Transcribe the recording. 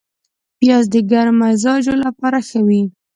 پیاز د ګرم مزاجو لپاره ښه وي